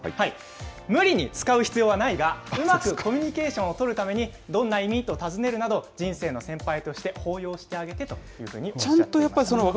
無理に使う必要はないが、うまくコミュニケーションを取るために、どんな意味？と尋ねるなど、人生の先輩として抱擁してあげてというふうにおっしゃっていました。